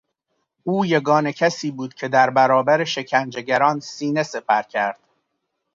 او یگانه کسی بود که در برابر شکنجهگران سینه سپر کرد.